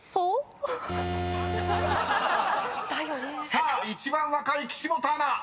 ［さあ一番若い岸本アナ